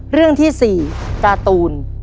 เรื่องที่๔การ์ตูน